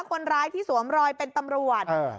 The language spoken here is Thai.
คนร้ายที่สวมรอยเป็นตำรวจ